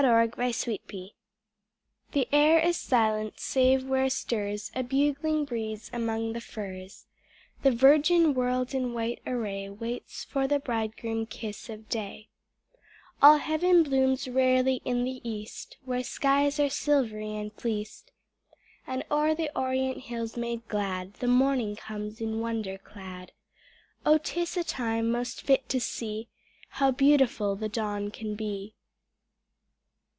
79 A WINTER DAY I The air is silent save where stirs A bugling breeze among the firs; The virgin world in white array Waits for the bridegroom kiss of day; All heaven blooms rarely in the east Where skies are silvery and fleeced, And o'er the orient hills made glad The morning comes in wonder clad ; Oh, 'tis a time most fit to see How beautiful the dawn can be!